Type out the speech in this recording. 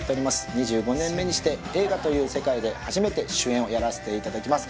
２５年目にして映画という世界で初めて主演をやらせていただきます